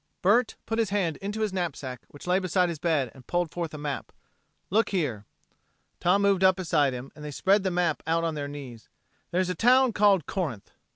Bert put his hand into his knapsack which lay beside his bed and pulled forth a map. "Look here." Tom moved up beside him and they spread the map out on their knees. "There's a town called Corinth."